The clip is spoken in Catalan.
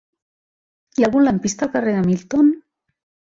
Hi ha algun lampista al carrer de Milton?